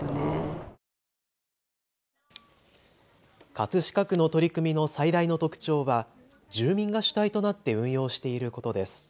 葛飾区の取り組みの最大の特徴は住民が主体となって運用していることです。